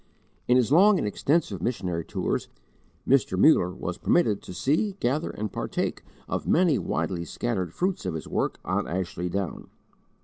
In his long and extensive missionary tours, Mr. Muller was permitted to see, gather, and partake of many widely scattered fruits of his work on Ashley Down.